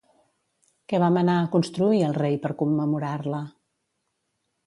Què va manar a construir el rei per commemorar-la?